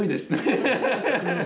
ハハハハ！